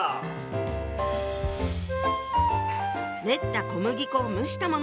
練った小麦粉を蒸したもの。